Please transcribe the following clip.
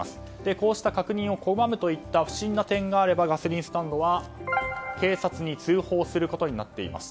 こうした確認を拒むといった不審な点があればガソリンスタンドは警察に通報することになっています。